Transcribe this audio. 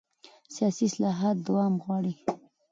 سیاسي اصلاحات دوام غواړي